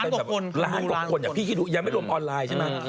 ล้านกว่าคนอย่างพี่คิดว่ายังไม่รวมออนไลน์ใช่ไหม